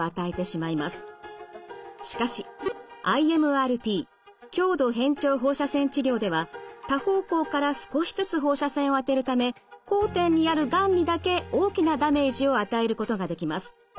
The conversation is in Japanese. しかしＩＭＲＴ強度変調放射線治療では多方向から少しずつ放射線を当てるため交点にあるがんにだけ大きなダメージを与えることができます。